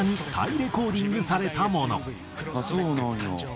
「あっそうなんや！」